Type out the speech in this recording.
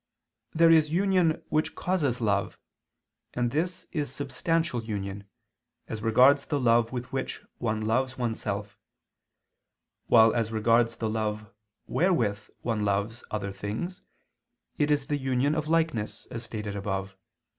There is union which causes love; and this is substantial union, as regards the love with which one loves oneself; while as regards the love wherewith one loves other things, it is the union of likeness, as stated above (Q.